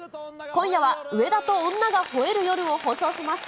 今夜は、上田と女が吠える夜を放送します。